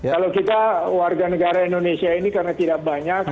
kalau kita warga negara indonesia ini karena tidak banyak